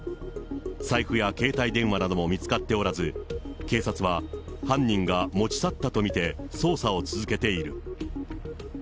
財布や携帯電話なども見つかっておらず、警察は、犯人が持ち去ったと見て捜査を続けている。